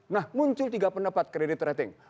nah muncul tiga pendapat kredit rating